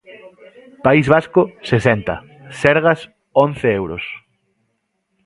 País Vasco: sesenta; Sergas: once euros.